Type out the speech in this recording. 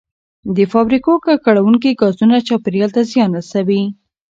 د فابریکو ککړونکي ګازونه چاپیریال ته زیان رسوي.